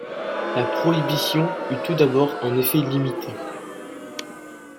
La prohibition eut tout d'abord un effet limité.